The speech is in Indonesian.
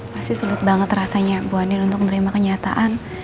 masih sulit banget rasanya bu anin untuk menerima kenyataan